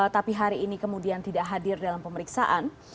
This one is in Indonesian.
tapi hari ini kemudian tidak hadir dalam pemeriksaan